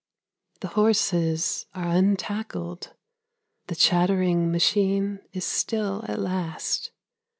The horses are untackled, the chattering machine Is still at last.